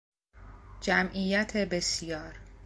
جمعیت بسیار